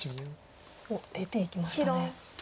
おっ出ていきましたね。